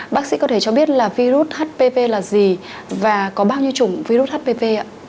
bác sĩ có thể cho biết là virus hpv là gì và có bao nhiêu chủng virus hpv ạ